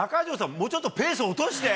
もうちょっとペースを落として。